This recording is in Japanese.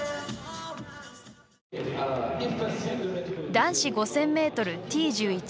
男子５０００ｍ、Ｔ１１